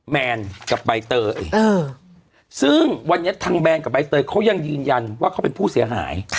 แมนกับใบเตยซึ่งวันนี้ทางแนนกับใบเตยเขายังยืนยันว่าเขาเป็นผู้เสียหาย